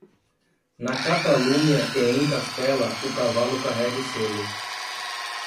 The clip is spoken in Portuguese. Na Catalunha e em Castela, o cavalo carrega o selo.